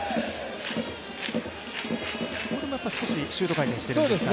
少しシュート回転しているんですかね。